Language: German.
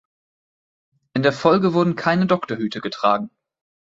In der Folge wurden keine Doktorhüte getragen.